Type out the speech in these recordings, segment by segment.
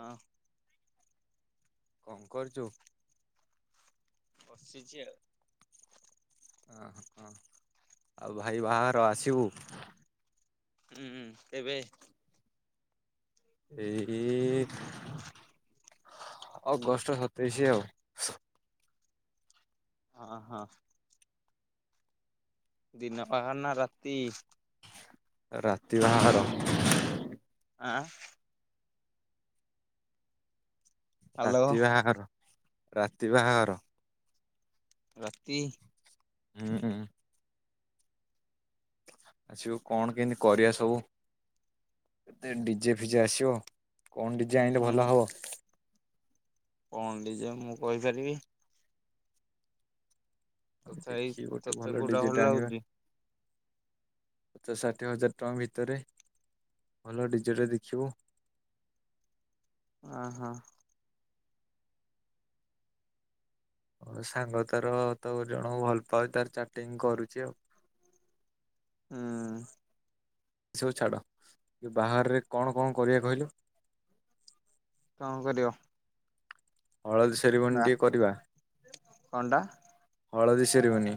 ଅଁ। କଣ କରୁଚୁ? ବସିଚି ଆଉ। ଆଉ ଭାଇ ବାହାଘର ଆସିବୁ। ଉଁ ତେବେ? ଏଇ ଅଗଷ୍ଟ ସତେଇଶ୍ ଆଉ। ଅ ହଁ। ଦିନ ବାହାଘର ନା ରାତି? ରାତି ବାହାଘର। ଆଁ। ହ୍ୟାଲୋ ରାତି ବାହାଘର ରାତି ବାହାଘର। ରାତି। ଉଁ। ଆସିବୁ କଣ କେମିତି କରିବା ସବୁ। ତେ ଡିଜେ ଫିଜେ ଆସିବ କଣ ଡିଜେ ଆଣିଲେ ହୁଁ ଭଲ ହବ? କଣ ଡିଜେ ମୁଁ କହିପାରିବି। ତଥାପି ଦେଖିକି ଗୋଟେ ତତେ ଭଲ କୋଉଟା ଡିଜେ ଟେ ଆଣିବା। ଲାଗୁଛି ପଚାସ ଷାଠିଏ ହଜାର ଟଙ୍କା ଭିତରେ ଭଲ ଡିଜେଟେ ଦେଖିବୁ। ଅହ। ସାଙ୍ଗ ତାର ତ ଜଣକୁ ଭଲ ପାଉଛି ତାର ଚାଟିଙ୍ଗ କରୁଛି ଆଉ। ହୁଁ। ସବୁ ଛାଡ ବାହରେ କଣ କଣ କରିବା କହିଲୁ? କଣ କରିବ? ହଳଦୀ ସେରିମନୀ ବା ଟିକେ କରିବା କଣଟା ହଳଦୀ ସେରିମନି।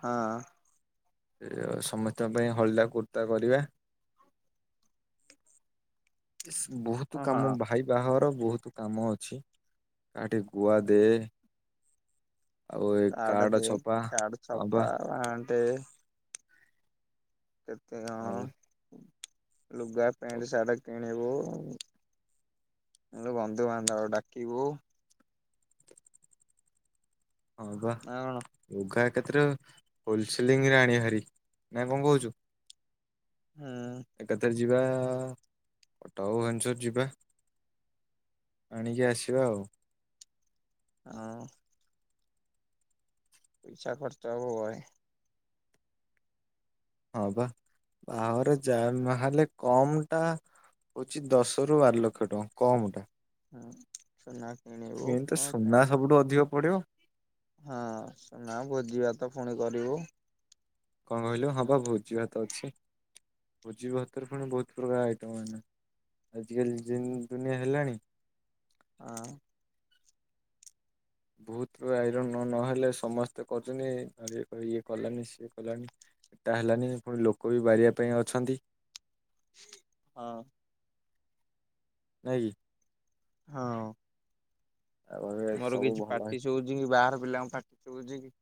ହଁ। ସମସ୍ତଙ୍କ ପାଇଁ ହଳଦା କୁର୍ତ୍ତା କରିବା। ବହୁତ ହଁ କାମ ଭାଇ ବାହର ବହୁତ କାମ ଅଛି। ଆଟେ ଗୁଆ ଦେ ଆଉ ଏ କାର୍ଡ କାଡ ଦେ ଛପା କାର୍ଡ ହଁ ବା। [unintelligible] କେତେ ହଁ ବା କଣ ଲୁଗା ପେଣ୍ଟ ସାଟ କିଣିବୁ। [unintelligible] ବନ୍ଧୁବାନ୍ଧବ ଡାକିବୁ। ହଁ ବା ନା କଣ ଯଗା କେତିରେ ହୋଲସେଲିଂ ରେ ଆଣିଆ ହାରି ନାାଇ କଣ କହୁଛୁ? ହୁଁ। ଏକାଥରେ ଯିବା କଟକ୍ ଭୁବନେଶ୍ୱର ଯିବା। ଆଣିକି ଆସିବା ଆଉ। ଆଉ ପଇସା ଖର୍ଚ ହବ୍ ବହେ। ହଁ ବା ଭାଓରେ ଯା ନହେଲେ କମ୍ ଟା ହଉଛି ଦଶ ରୁ ବାର ଲକ୍ଷ ଟଙ୍କା କମ ଟା। ହୁଁ। ସୁନା କିଣି ଏନ ତ ସୁନା ସବୁଠୁ ଅଧିକ ପଡ଼ିବ। ହଁ ସୁନା ଭୋଜି ଭାତ ଫୁଣି କରିବୁ। କଣ କହିଲୁ ହଁ ବା ଭୋଜି ଭାତ ଅଛି ଭୋଜି ଭାତରେ ପୁଣି ବହୁତ ପ୍ରକାର ଆଇଟମ୍ ହେଲା ଆଜିକାଲି ଦୁନ୍ ଦୁନିଆ ହେଲାଣି। ହଁ। ବହୁତ ଆଇରନ ନହେଲେ ସମସ୍ତେ କରୁଛନ୍ତି ନହଲେ ଇଏ କଲାନୀ ସିଏ କଲାନି। ଟା ହେଲାନି ପୁଣି ଲୋକ ବି ବାରିବା ପାଇଁ ଅଛନ୍ତି। ହଁ। ନାଇଁ କି। ହଁ। ଆଉ ମୋର ସବୁ କିଛି ଭଲ ପାାର୍ଟି ହେଇଛି ସୁଉଜୁ ବାହାର ପିଲାଙ୍କ ପାାର୍ଟି ଶୋବୁଚି କି?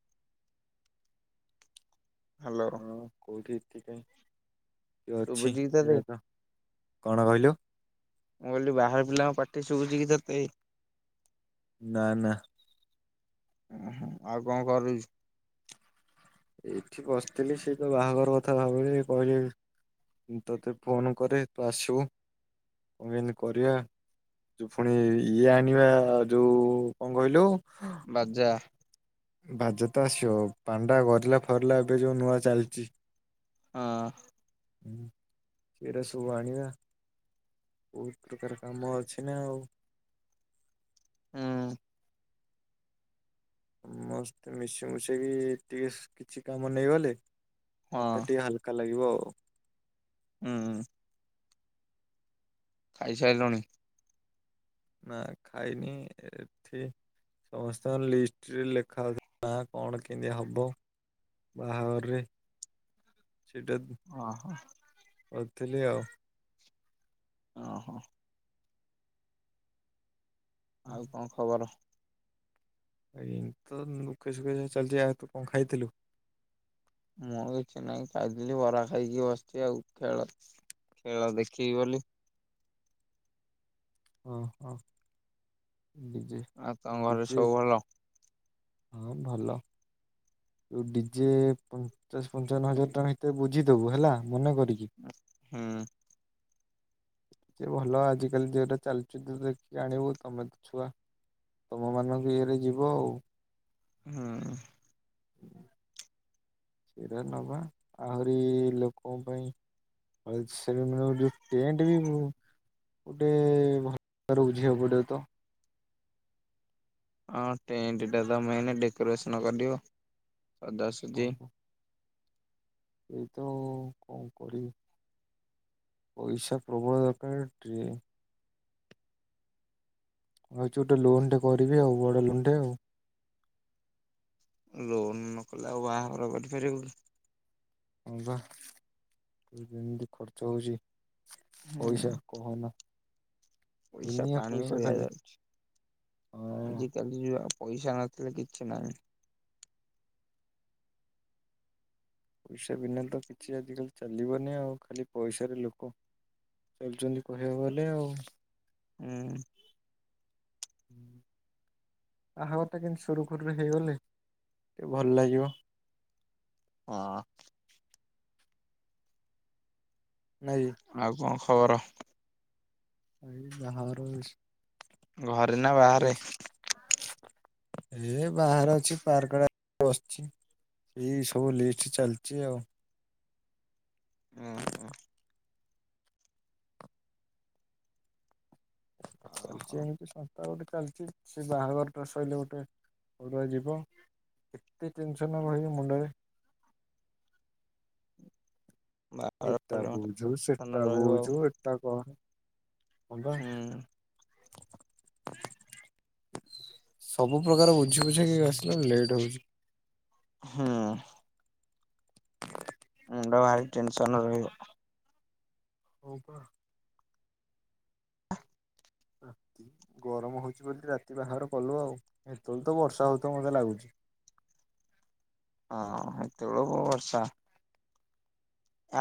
ହାଲୋ। ହଁ ଶୁଭୁଛି କି ତତେ କଣ କହିଲୁ? ମୁଁ କହିଲି ବାହାର ପିଲାଙ୍କ ପାଟି ଶୁଭୁଛି କି ତତେ? ନା ନା। ଓହୋ ଆଉ କଣ କରୁଛୁ? ଏଇଠି ବସିଥିଲି ସେ ତ ବାହାଘର କଥା ଭାବିଲି କହିଲେ ମୁଁ ତତେ ଫୋନ କରେ ତୁ ଆସିବୁ କଣ କେମତି କରିବା? ତୁ ଫୁଣି ଇଏ ଆଣିବା ଯୋଉ କଣ କହିଲୁ? ବାଜା। ବାଜା ତ ଆସିବ ପାଣ୍ଡା ଗରିଲା ଫରିଲା ଏବେ ଯୋଉ ନୂଆ ଚାଲିଛି। ହଁ। ହୁଁ ଏଇରା ସବୁ ଆଣିବା। ବହୁତ ପ୍ରକାର କାମ ଅଛି ନା ଆଉ। ହୁଁ। ମସ୍ତେ ମିଶିମୁଶାକି ଟିକେ କିଛି କାମ ନେଇଗଲେ ହଁ ମତେ ଟିକେ ହାଲ କା ଲାଗିବ ଆଉ। ହୁଁ। ଖାଇସାରିଲଣି? ନା ଖାଇନି ଏ ଏଠି ସମସ୍ତଙ୍କ ଲିଷ୍ଟରେ ଲେଖାହଉଥିଲା ନା କଣ କିନ୍ଦି ହବ? ବାହାଘରରେ ସେଟା ଓହୋ। କଥିଲି ଆଉ ଓହୋ। ଆଉ କଁ ଖବର? ଏମତି ତ ଦୁଃଖେ ସୁଖେ ଚାଲଚି। ଆଉ ତୁ କଁ ଖାଇଥିଲୁ? ମୁଁ କିଛି ନାଇଁ ଖାଇଥିଲି ବରା ଖାଇକି ବସିଚି ଆଉ ଖେଳ ଖେଳ ଦେଖିବି ବୋଲି। ଓହୋ ଡିଜେ ଆଉ ତମ ଘରେ ଡିଜେ ସବୁ ଭଲ? ହଁ ଭଲ। ତୁ ଡି ଜେ ପଞ୍ଚାଶ ପଞ୍ଚାବନ ହଜାର ଟଙ୍କା ଭିତରେ ବୁଝିଦବୁ ହେଲା ମନେ କରିକି। ହୁଁ। ଯେ ଭଲ ଆଜିକାଲି ଯୋଉଟା ଚାଲିଚି ତୁ ଦେଖିକି ଆଣିବୁ ତମ ତି ଛୁଆ। ତମମାନଙ୍କ ଇଏରେ ଯିବ ଆଉ। ହୁଁ। ଏରା ନବା ଆହୁରି ଲୋକଙ୍କ ପାଇଁ ଆଉ ସେଦିନ ଭାବୁଚି ଟେଣ୍ଟ୍ ବି ମୁଁ ଗୋଟେ ଭ ତଡ଼େ ବୁଝିବାକୁ ପଡ଼ିବ ତ। ଅଁ ଟେଣ୍ଟ୍ ଟା ତ ମେନ୍ ଡେକୋରେସନ୍ କରିିବ ଅଦାସ୍ ହଁ ତ। ଏଇ ତ ଆଉ କଁ କରିବି? ପଇସା ପ୍ରବଳ ଦରକାରେ ଟ୍ରେ ମୁଁ ଭାବୁଚି ଗୋଟେ ଲୋନ୍ ଟେ କରିବି ଆଉ ବଡ଼ ଲୋନ୍ ଟେ ଆଉ। ଲୋନ୍ ନ କଲେ ଆଉ ବାହାଘର କରିପାରିବୁ? ହଁ ପା ଏଇ ଯେମିତି ଖର୍ଚ୍ଚ ହଉଚି ପଇସା ହୁଁ କହ ନା। ପଇସା ପାଣି ଭଳିଆ ଯାଉଚି ହଁ ଆଜିିକାଲ୍ ଇଆ ପଇସା ନଥିଲେ କିଛି ନାହିଁ। ପଇସା ବିନା ତ କିଛି ଆଜିକାଲି ଚାଲିବନି ଆଉ ଖାଲି ପଇସାରେ ଲୋକ ଚାଲୁଚନ୍ତି କହିବାକୁ ଗଲେ ଆଉ। ଉଁ। ହୁଁ। ବାହାଘରଟା କେନ୍ତି ସୁରୁଖୁରୁରେ ହେଇଗଲେ ଟିକେ ଭଲ ଲାଗିବ। ହଁ। ନାଇ? ଆଉ କଁ ଖବର? ଏଇ ବାହାଘର ଇସ୍ ଘରେ ନା ବାହାରେ? ଏ ବାହାରେ ଅଛି ପାର୍କ ଆଡ଼େ ବସଚି। ଏଇ ସବୁ ଲିଷ୍ଟ ଚାଲଚି ଆଉ। ଉଁ ହୁଁ। ଚାଲଚି ଓହୋ ଏମିତି କଁ? ତା ଗୋଟେ ଚାଲିଚି ସେ ବାହାଘରଟା ସଇଲେ ଗୋଟେ ଅଡ଼ୁଆ ଯିବ। ଏତେ ଟେନସନ୍ ରହି ମୁଣ୍ଡରେ ବାହାଘର ଏଟା ବୁଝୁ ଟେନସନ ସେଟା ରହିବ ବୁଝୁ ଏଟା କର। ହଁ ବା। ଆଉ ହୁଁ ସବୁ ପ୍ରକାର ବୁଝି ବୁଝାକି ଆସିଲାରୁ ଲେଟ୍ ହଉଚି। ହୁଁ। ମୁଣ୍ଡ ଭାରି ଟେନସନ୍ ରହିବ। ହଁ ପା। ଗରମ ହଉଚି ବୋଲି ରାତି ବାହାଘର କଲୁ ଆଉ। ହେତେବେଳ କୁ ତ ବର୍ଷା ହଉଥିବ ମତେ ଲାଗୁଚି। ହଁ ହେତେବେଳେ ହବ ବର୍ଷା।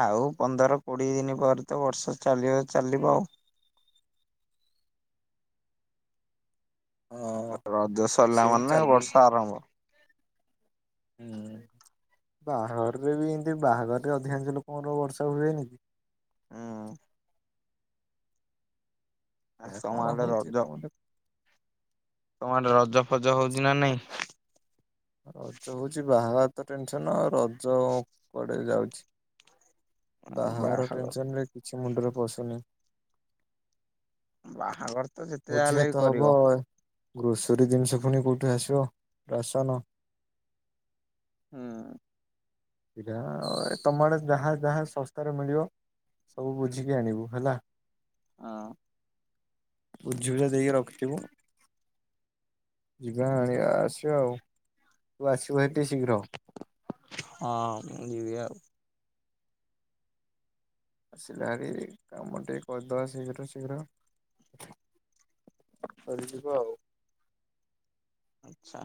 ଆଉ ପନ୍ଦର କୋଡ଼ିଏ ଦିନି ପରେ ତ ବର୍ଷା ଚାଲିବ ଚାଲିବ ଆଉ। ହଁ ରଜ ସରିଲା ସେମିତି ମାନେ ଚାଲୁ ବର୍ଷା ଆରମ୍ଭ। ହୁଁ। ବାହାଘରରେ ବି ଏମିତି ବାହାଘରରେ ଅଧିକାଂଶ ଲୋକଙ୍କର ବର୍ଷା ହୁଏନି କି। ଉଁ। ଆସ୍ ଏହା ତମ କଣ ଆଡେ ହଉଛି ରଜ କଣ ତମଆଡେ ରଜ ଫଜ ହଉଚି ନା ନାଇଁ? ରଜ ହଉଚି ବାହାଘର ତ ଟେନସନ୍ ଆଉ ରଜ କୁଆଡେ ଯାଉଚି। ବାହାଘର ଟେନସନ୍ ରେ କିଛି ମୁଣ୍ଡରେ ପଶୁନି। ବାହାଘର ତ ଯେତେ ଯାହା ହେଲେ ବି ଭୋଜିଭାତ କରିବ ହବ, ଗ୍ରୋସରୀ ଜିନିଷ ଫୁଣି କୋଉଠୁ ଆସିବ ରାସନ। ହୁଁ। ସେଇଟା ତମ ଆଡେ ଯାହା ଯାହା ଶସ୍ତାରେ ମିଳିବ। ସବୁ ବୁଝିକି ଆଣିବୁ ହେଲା। ହଁ। ବୁଝିବୁଝା ଦେଇକି ରଖିଥିବୁ। ଯିବା ଆଣିବା ଆସିବା ଆଉ। ତୁ ଆସିବୁ ଭାରି ଟିକେ ଶୀଘ୍ର। ହଁ ମୁଁ ଯିବି ଆଉ। ଆସିଲେ ଭାରି କାମ ଟିକେ କରିଦବା ଶୀଘ୍ର ଶୀଘ୍ର। ସରିଯିବ ଆଉ। ଆଚ୍ଛା।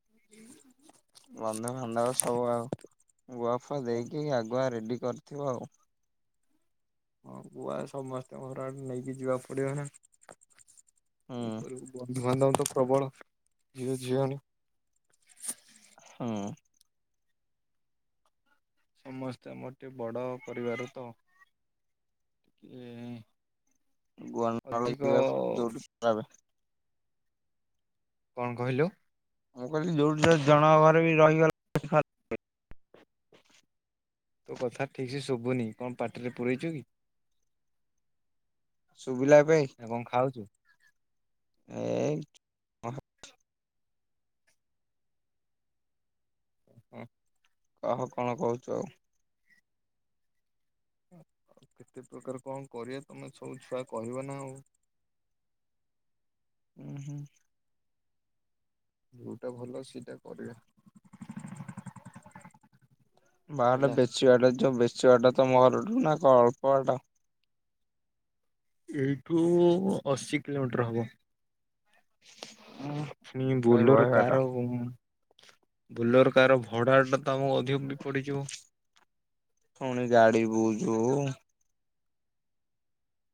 [inaudible] ବନ୍ଧୁବାନ୍ଧବ ସବୁ ଆଉ ଗୁଆଫୁଆ କଣ ଦେଇକି ଆଗୁଆ ରେଡି କରିଥିବ ଆଉ। ହଁ ଗୁଆ ସମସ୍ତଙ୍କ ଘର ଆଡେ ନେଇକି ଯିବାକୁ ପଡିବ ନା। କଣ ହୁଁ କରିବୁ। ବନ୍ଧୁବାନ୍ଧବ ତ ପ୍ରବଳ, ଝିଅ ଝିଆଣି। ହୁଁ। ସମସ୍ତେ ଆମର ଟିକେ ବଡ଼ ପରିବାର ତ। କିଏ ଗୁଆ ଅଧିକ [unintelligible] କଣ କହିଲୁ? ମୁଁ କହିଲି ଯୋଉଠି ଯଦି ଜଣଙ୍କ ଘରେ ବି ରହିଗଲା ତୋ କଥା ଠିକ୍ ସେ ଶୁଭୁନି। କଣ ପାଟିରେ ପୁରେଇଚୁ କି? ଶୁଭିଲା ଏବେ? ନା କଣ ଖାଉଚୁ? ଏଇ ଉଁ। କହ କଣ କହୁଚୁ ଆଉ? କେତେ ପ୍ରକାର କଣ କରିବା ତମେ ସବୁ ଛୁଆ କହିବ ନା ଆଉ। ଉଁ ହୁଁ। ଯୋଉଟା ଭଲ ସେଇଟା କରିବା। ବାହାଘର ହେଲା ଟା ବେଶୀ ବାଟ ଯଉ ବେଶୀ ବାଟା ତମ ଘରଠୁ ନା ଅଳ୍ପ ବାଟ? ଏଇଠୁ ଅଶୀ କିଲୋମିଟର ହବ। ଉଁ। ପୁଣି ଏଇ ସେଇ ବହେ ବୋଲର ବାଟ। କାର ବୋଲୋର କାର ଭଡ଼ାଟା ତ ଆମକୁ ଅଧିକ ବି ପଡ଼ିଯିବ। ପୁଣି ଗାଡି ବୁଝୁ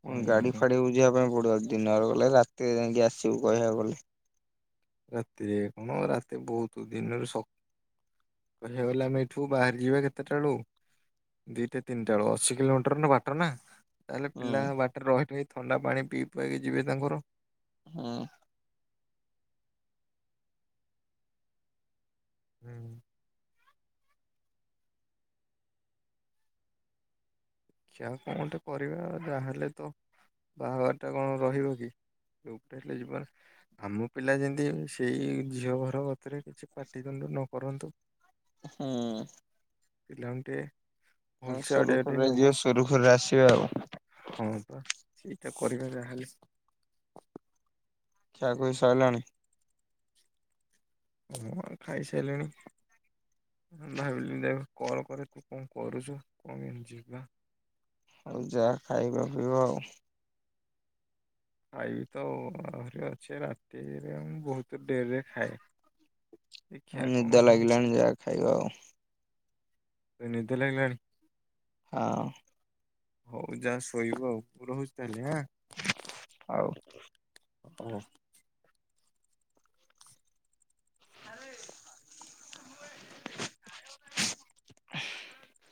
ପୁଣି ଗାଡି ଉଁ ଫାଡି ବୁଝିବା ପାଇଁ ପଡିବ ଦିନରେ ଗଲେ ରାତିରେ ଯାଇକି ଆସିବୁ କହିବାକୁ ଗଲେ। ରାତିରେ କଣ ରାତି ବହୁତ ଦିନରେ ଶକ୍ କହିବାକୁ ଗଲେ ଆମେ ଏଠୁ ବାହାରି ଯିବା କେତେଟା ବେଳୁ? ଦିଟା ତିନିଟା ବେଳୁ। ଅଶୀ କିଲୋମିଟର ନା ବାଟ ନା। ତାହେଲେ ହୁଁ ପିଲା ବାଟରେ ରହି ରହି ଥଣ୍ଡା ପାଣି ପିଇ ପୁଆଇକି ଯିବେ ତାଙ୍କର। ହଁ। ହୁଁ ଦେକ୍ଷା କଣ ଗଟେ କରିବା ଯାହାହେଲେ ତ ବାହାଘର ଟା କଣ ରହିବ କି [inaudible] ହେଲେ ଯିବା। ଆମ ପିଲା ଯେମିତି ସେଇ ଝିଅ ଘର କତିରେ କିଛି ପାଟିତୁଣ୍ଡୁ ନ କରନ୍ତୁ। [inaudible] ହୁଁ। ପିଲାଙ୍କୁ ଟେ ହଁ ସୁରୁଖରୁରେ ଯିବ ସୁରୁଖୁରୁରେ ଆସିବେ ଆଉ। ହଁ ପା ସେଇଟା କରିବା ଯାହାଲେ। ଖିଆ ଖୁଇ ସଇଲାଣି ହଁ ଖାଇସାଇଲିଣି। ଭାବିଲି ଦେ କଲ୍ କରେ ତୁ କଣ କରୁଚୁ କଣ କେମିତି ଯିବା? ହଉ ଯା ଖାଇବା ପିଇବ ଆଉ। ଖାଇବି ତ ଆହୁରି ଅଛେ ରାତିରେ ମୁଁ ବହୁତ ଡେରି ରେ ଖାଏ। ହଁ ଦେଖିବା କଣ ନିଦ ହଉ ଲାଗିଲାଣି ଯାହା ଖାଇବା ଆଉ। ବେ ନିଦ ଲାଗିଲାଣି। ହଁ। ହଉ ଯା ଶୋଇବ ଆଉ ମୁଁ ରହୁଚି ତାହେଲେ ଆଁ। ହଉ। ହ। ଆରେ [inaudible]